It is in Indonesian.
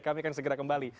kami akan segera kembali